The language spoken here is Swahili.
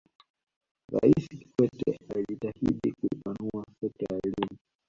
raisi kikwete alijitahidi kuipanua sekta ya elimu